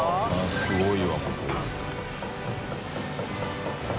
すごいわここ。